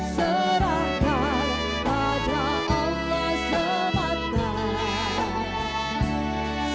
serahkanlah hidup dan hatimu serahkan pada allah semata